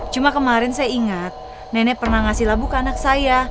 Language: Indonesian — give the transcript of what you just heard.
cuma kemarin saya ingat nenek pernah ngasih labu ke anak saya